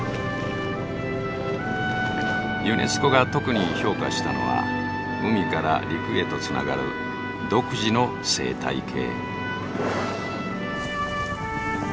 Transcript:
ユネスコが特に評価したのは海から陸へとつながる独自の生態系。